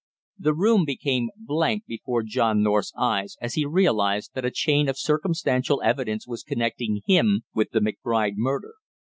The room became blank before John North's eyes as he realized that a chain of circumstantial evidence was connecting him with the McBride murder.